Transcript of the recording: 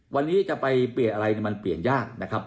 วันนี้จะไปเปลี่ยนอะไรมันเปลี่ยนยากนะครับ